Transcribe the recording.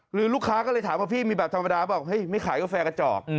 หรือลูกค้าก็เลยถามว่าพี่มีแบบธรรมดาเปล่าเฮ้ยไม่ขายกาแฟกระจอก